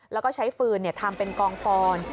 แล้วก็ใช้ฟืนทำเป็นกองฟอน